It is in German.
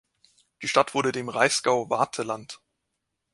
Die Stadt wurde dem Reichsgau Wartheland.